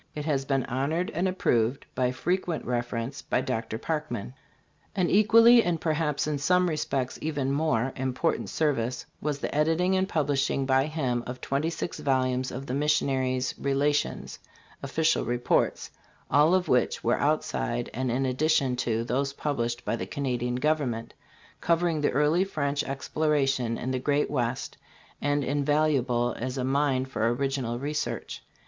It has been honored and approved by. frequent reference by Dr. Parkman. An equally, and perhaps in some respects even more, important service was the editing and publishing by him of twenty six volumes of the missionaries' " Relations" (official reports), all of which were outside and in addition to those published by the Canadian government, covering the early French ex plorations in the great West and invaluable as a mine for original research.